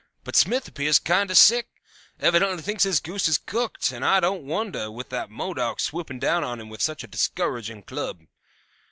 But Smith appears kinder sick; evidently thinks his goose is cooked; and I don't wonder, with that Modoc swooping down on him with such a discouraging club.